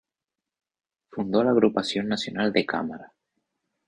Fundó la Agrupación Nacional de Cámara.